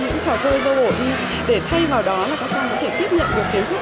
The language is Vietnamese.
những trò chơi vô bộ như để thay vào đó là các con có thể tiếp nhận được kiến thức